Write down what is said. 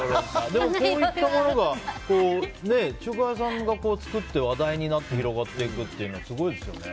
でも、こういったものが中華屋さんが作って話題になって広がっていくのはすごいですね。